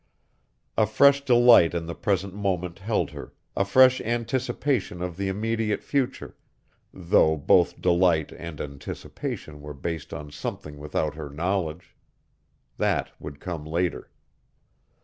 A fresh delight in the present moment held her, a fresh anticipation of the immediate future, though both delight and anticipation were based on something without her knowledge. That would come later.